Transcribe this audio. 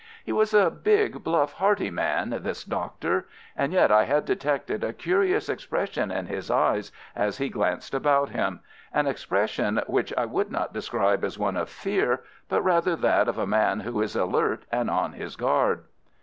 He was a big, bluff, hearty man, this Doctor, and yet I had detected a curious expression in his eyes as he glanced about him—an expression which I would not describe as one of fear, but rather that of a man who is alert and on his guard.